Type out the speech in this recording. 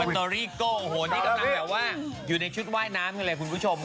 โปนทาริโกนี่กำลังแบบว่าอยู่ในชุดว่ายน้ำอยู่ไหนคุณผู้ชมค่ะ